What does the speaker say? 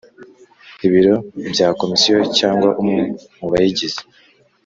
ibiro bya Komisiyo cyangwa umwe mu bayigize